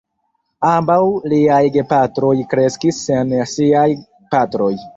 Ambaŭ liaj gepatroj kreskis sen siaj patroj.